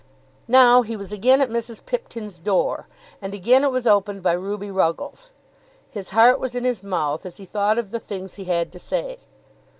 Now he was again at Mrs. Pipkin's door, and again it was opened by Ruby Ruggles. His heart was in his mouth as he thought of the things he had to say.